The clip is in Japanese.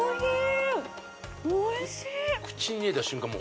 おいしい！